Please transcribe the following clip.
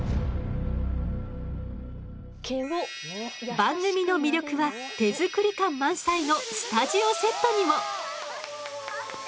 番組の魅力は手作り感満載のスタジオセットにも。